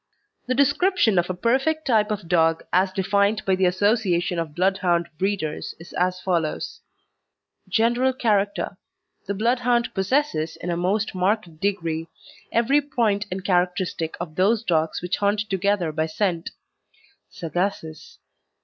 The description of a perfect type of dog, as defined by the Association of Bloodhound breeders, is as follows: GENERAL CHARACTER The Bloodhound possesses, in a most marked degree, every point and characteristic of those dogs which hunt together by scent (Sagaces).